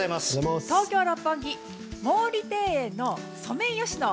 東京・六本木毛利庭園のソメイヨシノ